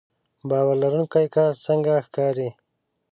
باور لرونکی کس څنګه ښکاري